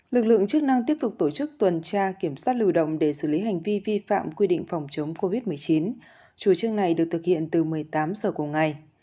lực lượng chức năng tiếp tục tổ chức tuần tra kiểm soát lưu động để xử lý hành vi vi phạm quy định phòng chống covid một mươi chín chủ trương này được thực hiện từ một mươi tám h cùng ngày